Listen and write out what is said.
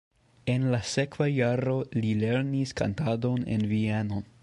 En la sekva jaro li lernis kantadon en Vieno.